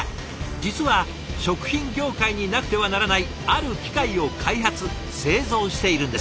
実は食品業界になくてはならないある機械を開発・製造しているんです。